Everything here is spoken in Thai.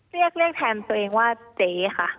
เรียกแทนตัวเองว่าเจ๊ค่ะ